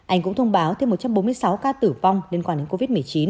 anh cũng thông báo thêm một trăm bốn mươi sáu ca tử vong liên quan đến covid một mươi chín